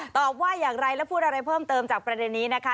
ตอบว่าอย่างไรและพูดอะไรเพิ่มเติมจากประเด็นนี้นะคะ